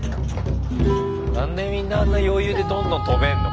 何でみんなあんな余裕でどんどん飛べんの？